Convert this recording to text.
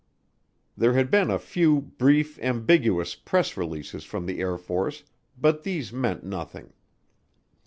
There had been a few brief, ambiguous press releases from the Air Force but these meant nothing.